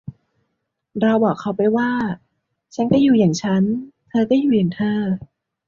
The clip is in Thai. เราบอกเขาไปว่า ฉันก็อยู่อย่างฉัน เธอก็อยู่อย่างเธอ